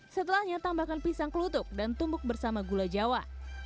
setelahnya tambahkan pisang kelutuk dan tumbuk bersama gula jawa